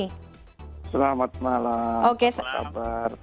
selamat malam selamat kabar